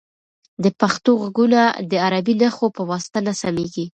د پښتو غږونه د عربي نښو په واسطه نه سمیږي.